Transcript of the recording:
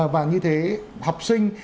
và như thế học sinh